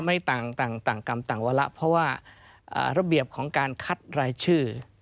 ไม่ต่างกรรมต่างวาระเพราะว่าระเบียบของการคัดรายชื่อ